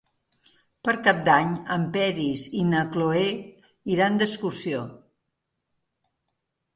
Per Cap d'Any en Peris i na Cloè iran d'excursió.